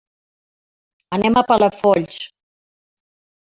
Anem a Palafolls.